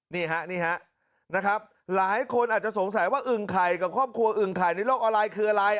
นี่ฮะนี่ฮะนะครับหลายคนอาจจะสงสัยว่าอึ่งไข่กับครอบครัวอึ่งไข่ในโลกออนไลน์คืออะไร